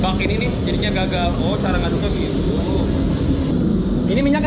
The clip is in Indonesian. kakin ini jadinya gagal cara ngasukin ini minyaknya